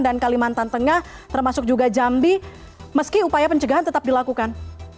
dan kalimantan tengah termasuk juga jambi meski upaya pencegahan tetap dilakukan